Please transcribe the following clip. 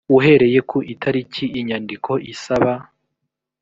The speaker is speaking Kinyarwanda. uhereye ku itariki inyandiko isaba